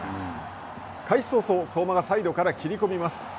開始早々、相馬がサイドから切り込みます。